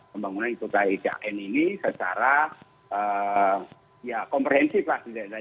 pembangunan itu dari jakn ini secara ya komprehensif lah